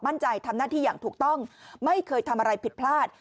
ทำหน้าที่อย่างถูกต้องไม่เคยทำอะไรผิดพลาด